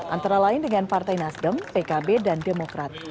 antara lain dengan partai nasdem pkb dan demokrat